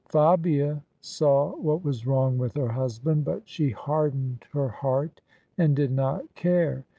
Fabia saw what was wrong with her husband; but she hardened her heart and did not care.